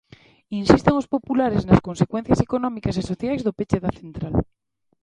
Insisten os populares nas consecuencias económicas e sociais do peche da central.